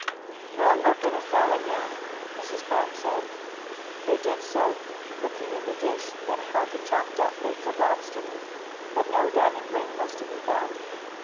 "We'll look in the salad now," Mrs. Brown said. They did so, looking in the dish that held the chopped up bits of lobster meat, but no diamond ring was to be found.